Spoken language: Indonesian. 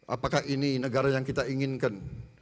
apakah ini negara yang kita inginkan